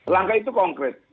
langkah itu konkret